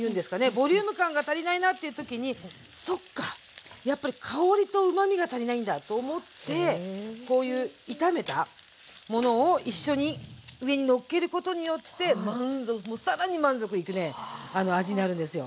ボリューム感が足りないなっていう時にそっかやっぱり香りとうまみが足りないんだと思ってこういう炒めたものを一緒に上にのっけることによって満足もう更に満足いくね味になるんですよ。